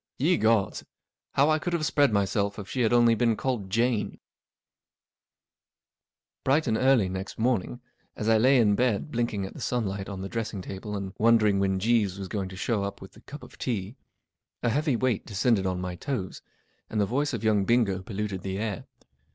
Ye gods, how I could have spread myself if she had only been called Jane !" B RIGHT and early next morning, as I lay in bed blinking at the sunlight on the dressing table and wondering w hen Jeeves was going to show up with the cup of tea, a heavy weight descended on my toes, and the voice of young Bingo polluted the air.